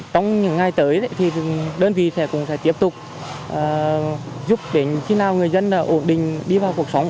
trong những ngày tới đơn vị sẽ tiếp tục giúp đến khi nào người dân ổn định đi vào cuộc sống